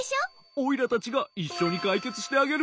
オイラたちがいっしょにかいけつしてあげる。